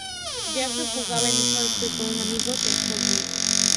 Jaffe jugaba al hockey con unos amigos en Hollywood.